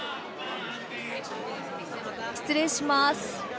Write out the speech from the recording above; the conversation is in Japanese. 失礼します。